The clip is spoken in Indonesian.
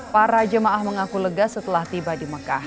para jemaah mengaku lega setelah tiba di mekah